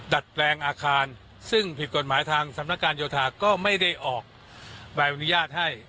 ดัดแปลงอาคารซึ่งผิดกฎหมายทางสำนักการโยธาก็ไม่ได้ออกใบอนุญาตให้